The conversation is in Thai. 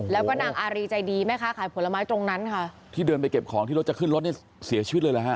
แล้วก็นางอารีใจดีแม่ค้าขายผลไม้ตรงนั้นค่ะที่เดินไปเก็บของที่รถจะขึ้นรถเนี่ยเสียชีวิตเลยเหรอฮะ